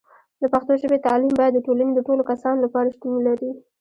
د پښتو ژبې تعلیم باید د ټولنې د ټولو کسانو لپاره شتون ولري.